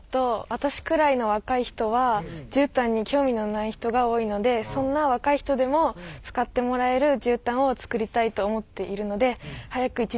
私くらいの若い人は絨毯に興味のない人が多いのでそんな若い人でも使ってもらえる絨毯を作りたいと思っているのでうれしいです。